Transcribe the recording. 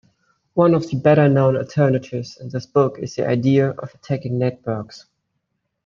One of the better-known alternatives in this book is the idea of attacking networks.